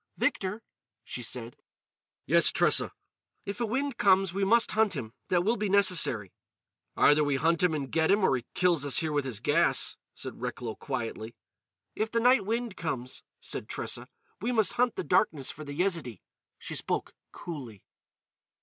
"Victor," she said. "Yes, Tressa." "If a wind comes, we must hunt him. That will be necessary." "Either we hunt him and get him, or he kills us here with his gas," said Recklow quietly. "If the night wind comes," said Tressa, "we must hunt the darkness for the Yezidee." She spoke coolly.